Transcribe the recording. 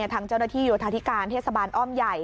ทางเจ้าหน้าที่โยธาธิการเทศบาลอ้อมใหญ่